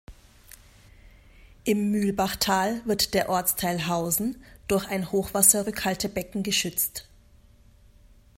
Im Mühlbachtal wird der Ortsteil Hausen durch ein Hochwasserrückhaltebecken geschützt.